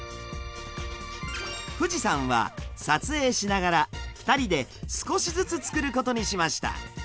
富士山は撮影しながら２人で少しずつ作ることにしました。